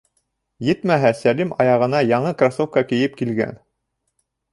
Етмәһә, Сәлим аяғына яңы кроссовка кейеп килгән.